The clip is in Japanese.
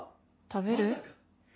食べる？